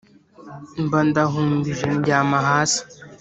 Mba ndahumbije ndyama hasi,